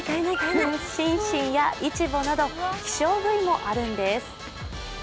シンシンやイチボなど希少部位もあるんです。